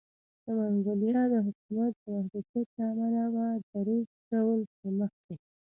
د منګولیا د حکومت د محدودیت له امله په ډېرپڅ ډول پرمخ ځي.